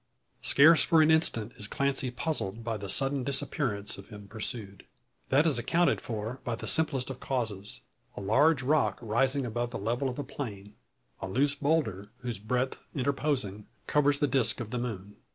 Scarce for an instant is Clancy puzzled by the sudden disappearance of him pursued. That is accounted for by the simplest of causes; a large rock rising above the level of the plain, a loose boulder, whose breadth interposing, covers the disc of the moon.